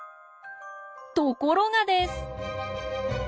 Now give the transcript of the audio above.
ところがです！